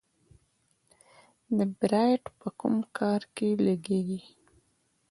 بیرایت په کوم کار کې لګیږي؟